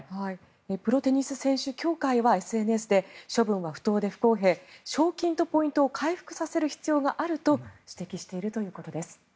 プロテニス選手協会はＳＮＳで処分は不当で不公平賞金とポイントを回復させる必要があると指摘しているということです。